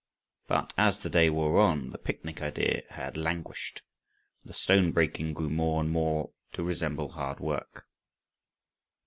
But as the day wore on, the picnic idea had languished, and the stone breaking grew more and more to resemble hard work.